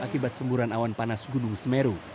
akibat semburan awan panas gunung semeru